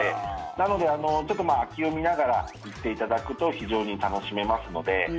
なので、ちょっと空きを見ながら行っていただくと非常に楽しめますので。